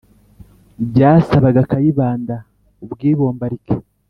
byasabaga kayibanda ubwibombalike.